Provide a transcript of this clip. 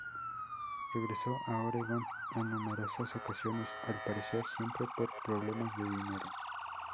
Regresó a Oregón en numerosas ocasiones, al parecer siempre por problemas de dinero.